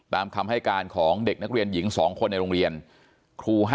ตามคำให้การของเด็กนักเรียนหญิง๒คนในโรงเรียนครูให้